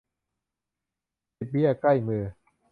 สิบเบี้ยใกล้มือ